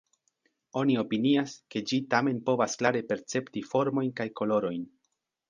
Oni opinias, ke ĝi tamen povas klare percepti formojn kaj kolorojn.